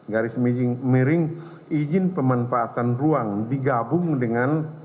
garis miring izin pemanfaatan ruang digabung dengan